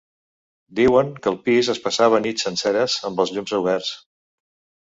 Diuen que el pis es passava nits senceres amb els llums oberts.